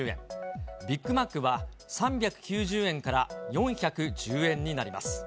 ビッグマックは３９０円から４１０円になります。